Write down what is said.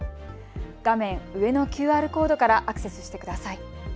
画面上のＱＲコードからアクセスしてください。